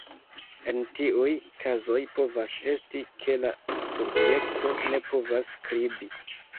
En tiuj kazoj povas esti, ke la subjekto ne povas skribi.